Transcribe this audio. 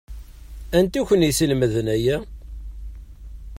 Anti i k-yeslemden aya?